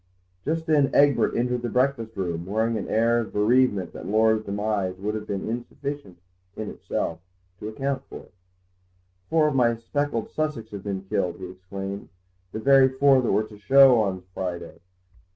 Just then Egbert entered the breakfast room, wearing an air of bereavement that Laura's demise would have been insufficient, in itself, to account for. "Four of my speckled Sussex have been killed," he exclaimed; "the very four that were to go to the show on Friday.